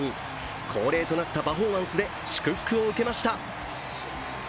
恒例となったパフォーマンスで祝福を受けました。